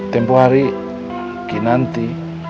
tempoh hari kinanti